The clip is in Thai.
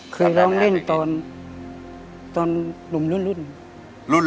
คือร้องเล่นตอนตอนลุมรุ่น